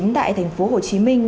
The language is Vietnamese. tại thành phố hồ chí minh